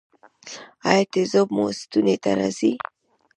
ایا تیزاب مو ستوني ته راځي؟